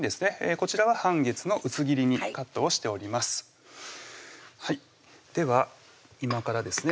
こちらは半月の薄切りにカットをしておりますでは今からですね